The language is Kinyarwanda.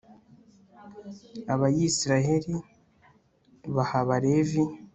abayisraheli baha abalevi